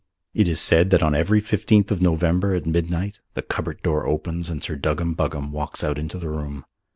It is said that on every fifteenth of November at midnight the cupboard door opens and Sir Duggam Buggam walks out into the room.